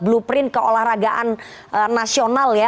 blueprint keolahragaan nasional